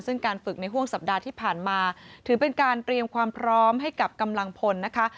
ซึ่งการฝึกในห่วงสัปดาห์ที่ผ่านมาถือเป็นการเตรียมความพร้อมให้กับกำลังพลนะคะ